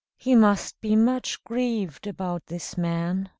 "He must be much grieved about this man."